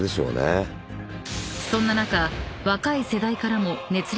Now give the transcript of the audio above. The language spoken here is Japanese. ［そんな中］